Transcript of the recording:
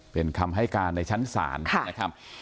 เป็นคำให้การในชั้นศาลนะครับ